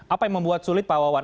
apa yang membuat sulit pak wawan